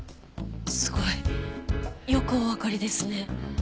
すごい。よくおわかりですね。